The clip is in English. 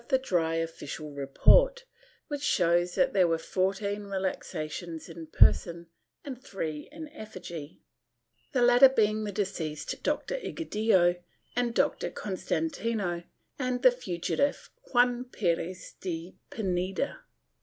Of this auto we have the dry official report, which shows that there were fourteen relaxations in person and three in effigy, the latter being the deceased Doctor Egidio and Doctor Constantino, and the fugitive Juan Perez de Pineda.